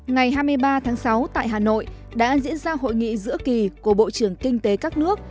ngày hai mươi ba tháng sáu tại hà nội đã diễn ra hội nghị giữa kỳ của bộ trưởng kinh tế các nước